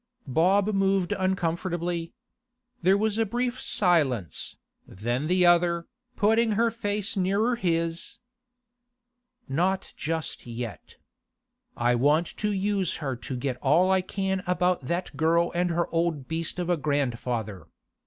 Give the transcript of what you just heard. Bob moved uncomfortably. There was a brief silence, then the other, putting her face nearer his: 'Not just yet. I want to use her to get all I can about that girl and her old beast of a grandfather.